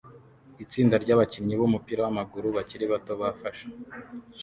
Itsinda ryabakinnyi bumupira wamaguru bakiri bato bafashe